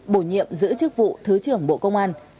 bổ nhiệm giữ chức vụ thứ trưởng bộ công an